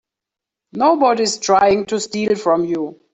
Nobody's trying to steal from you.